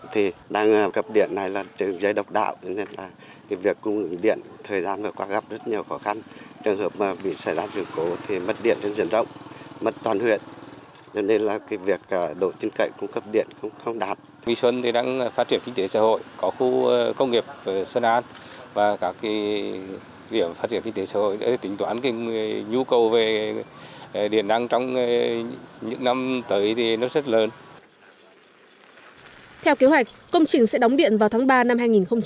theo kế hoạch công trình sẽ đóng điện vào tháng ba năm hai nghìn một mươi chín